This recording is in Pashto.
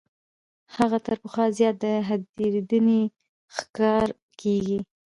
هغه تر پخوا زیات د هېرېدنې ښکار کیږي.